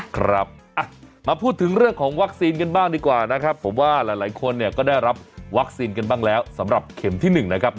ครับมาพูดถึงเรื่องของวัคซีนกันบ้างดีกว่านะครับผมว่าหลายคนเนี่ยก็ได้รับวัคซีนกันบ้างแล้วสำหรับเข็มที่๑นะครับ